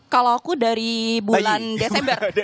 kalau aku dari bulan desember